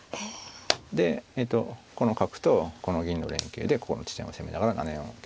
でこの角とこの銀の連携でここの地点を攻めながら７四をケアするという。